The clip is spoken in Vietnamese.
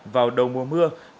vào đầu mùa mưa